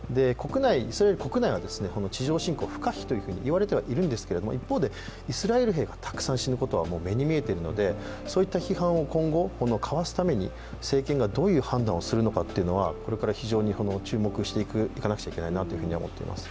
イスラエル国内は地上侵攻不可避と言われてはいるんですが一方でイスラエル兵がたくさん死ぬことは目に見えているのでそういった批判を今後、かわすために政権がどういう判断をするのかっていうのはこれから非常に注目していかなきゃいけないなと思っています